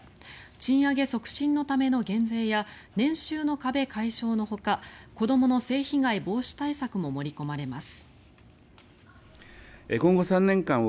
賃上げ促進のための減税や年収の壁解消のほか子どもの性被害防止対策も盛り込まれます。